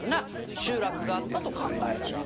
集落があったと考えられる」